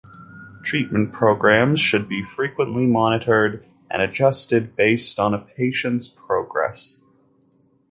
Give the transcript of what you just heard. Treatment programs should be frequently monitored and adjusted based on a patient's progress.